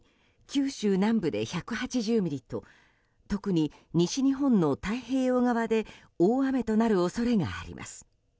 九州南部で１８０ミリと特に、西日本の太平洋側で大雨となる恐れがあります。